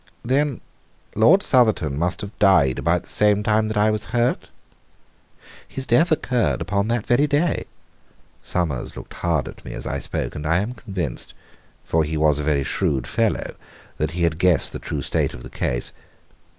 "Then Lord Southerton must have died about the same time that I was hurt?" "His death occurred upon that very day." Summers looked hard at me as I spoke, and I am convinced for he was a very shrewd fellow that he had guessed the true state of the case.